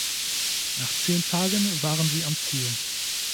Nach zehn Tagen waren sie am Ziel.